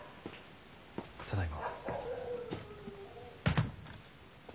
ただいま。